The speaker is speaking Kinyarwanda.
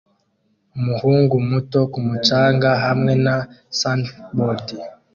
umuhungu muto ku mucanga hamwe na surfboard